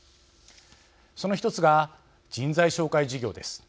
その１つが人材紹介事業です。